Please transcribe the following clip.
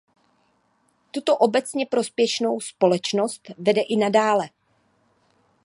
Tuto obecně prospěšnou společnost vede i nadále.